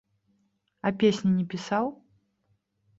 А песні не пісаў?